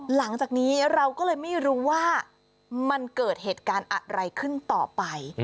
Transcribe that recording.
หลังจากนี้เราก็เลยไม่รู้ว่ามันเกิดเหตุการณ์อะไรขึ้นต่อไป